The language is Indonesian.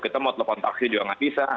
kita mau telepon taksi juga nggak bisa